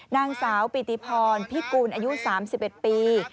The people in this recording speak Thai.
นางสาวปิติพรพิกูลอายุ๓๑ปี